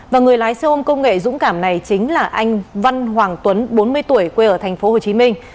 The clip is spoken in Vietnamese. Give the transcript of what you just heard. và người lái xe ôm công nghệ dũng cảm này chính là anh văn hoàng tuấn bốn mươi tuổi quê ở thành phố hồ chí minh